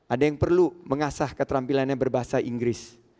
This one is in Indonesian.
ada yang perlu mengasah keterampilannya berbahasa inggris